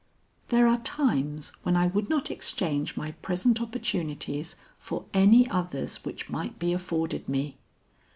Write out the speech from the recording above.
"There are times when I would not exchange my present opportunities for any others which might be afforded me.